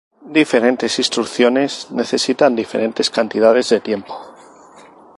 Diferentes instrucciones necesitan diferentes cantidades de tiempo.